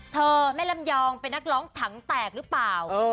แม่ลำยองเป็นนักร้องถังแตกหรือเปล่า